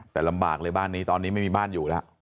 แต่ลำบากเลยบ้านนี้ตอนนี้ไม่มีบ้านอยู่แล้ว